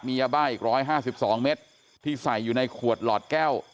มียาบ้าอีก๑๕๒เมตรที่ใส่อยู่ในขวดหลอดแก้ว